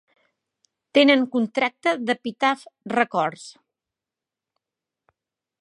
Tenen contracte d'Epitaph Records.